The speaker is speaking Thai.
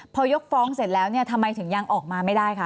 พอยกฟ้องเสร็จแล้วเนี่ยทำไมถึงยังออกมาไม่ได้คะ